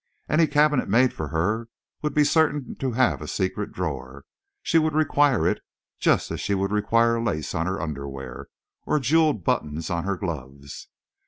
Any cabinet made for her would be certain to have a secret drawer she would require it, just as she would require lace on her underwear or jewelled buttons on her gloves.